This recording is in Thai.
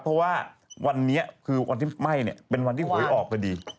เพราะว่าวันนี้คือวันที่ไหม้เนี่ยเป็นวันที่หวยออกพอดี